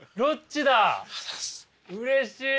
うれしい！